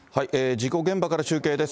事故現場から中継です。